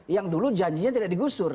yang dulu janjinya tidak digusur